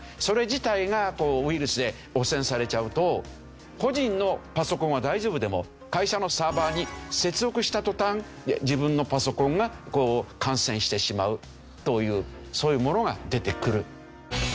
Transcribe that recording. それ自体がウイルスで汚染されちゃうと個人のパソコンは大丈夫でも会社のサーバーに接続した途端自分のパソコンが感染してしまうというそういうものが出てくる。